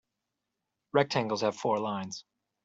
Rectangles have four lines.